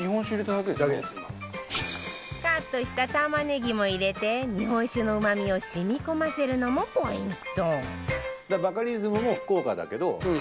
カットした玉ねぎも入れて日本酒のうまみを染み込ませるのもポイント